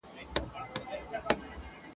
چي هر څه يې شاوخوا پسي نارې كړې ..